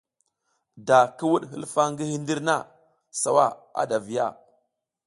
Da ki wuɗ hilfa ngi hindir na, sawa ada a viya.